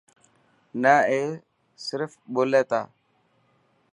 نه اي صرف ٻولي تا.